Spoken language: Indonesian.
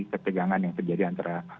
ketegangan yang terjadi antara